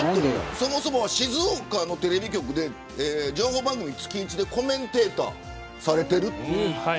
そもそも静岡のテレビ局で情報番組を月１でコメンテーターされている。